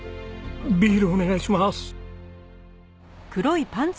ビールお願いします。